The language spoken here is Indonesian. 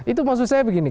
itu maksud saya begini